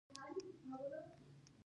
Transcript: د دوي نيکۀ حکيم خان، څوک چې د شاهپور کلي